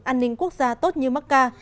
an ninh quốc gia tốt như mắc ca